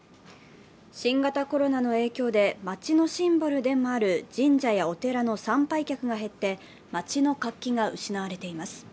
新型コロナの影響で町のシンボルでもある神社やお寺の参拝客が減って街の活気が失われています。